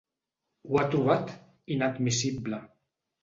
Ho ha trobat ‘inadmissible’.